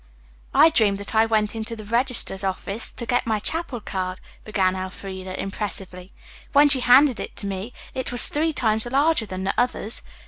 "I dreamed that I went into the registrar's office to get my chapel card," began Elfreda impressively. "When she handed it to me it was three times larger than the others.